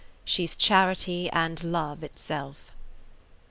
She 's charity and love itself."